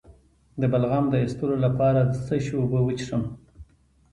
د بلغم د ایستلو لپاره د څه شي اوبه وڅښم؟